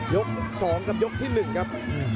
๒กับยกที่๑ครับ